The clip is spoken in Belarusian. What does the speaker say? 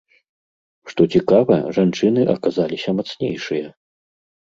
Што цікава, жанчыны аказаліся мацнейшыя.